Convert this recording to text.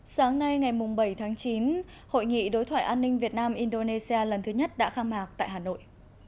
sáng nay ngày bảy tháng chín hội nghị đối thoại an ninh việt nam indonesia lần thứ nhất đã khai mạc tại hà nội